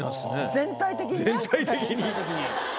全体的にね。